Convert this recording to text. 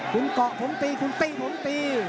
คุณเกาะผมตีคุณตีผมตี